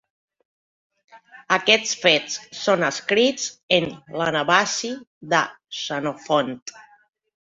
Aquests fets són escrits en l'Anàbasi de Xenofont.